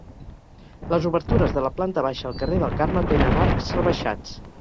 Les obertures de la planta baixa al carrer del Carme tenen arcs rebaixats.